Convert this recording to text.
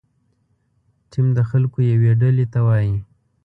ټیم د خلکو یوې ډلې ته وایي.